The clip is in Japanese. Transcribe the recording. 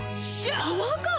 パワーカーブ⁉